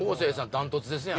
断トツですやん。